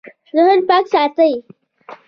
ذهن پاک ساتئ